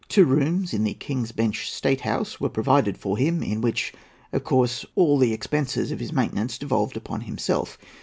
Two rooms in the King's Bench State House were provided for him, in which, of course, all the expenses of his maintenance devolved upon himself.